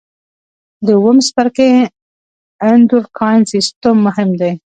د اووم څپرکي اندورکاین سیستم مهم دی.